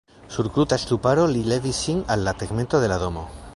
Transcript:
Sur kruta ŝtuparo li levis sin al la tegmento de la domo.